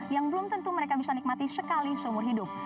yang belum tentu mereka bisa nikmati sekali seumur hidup